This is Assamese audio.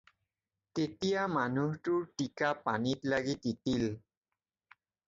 তেতিয়া মানুহটোৰ টিকা পানীত লাগি তিতিল।